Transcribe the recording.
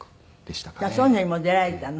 そういうのにも出られたの？